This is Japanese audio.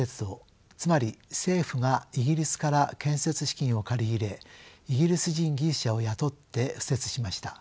つまり政府がイギリスから建設資金を借り入れイギリス人技術者を雇って敷設しました。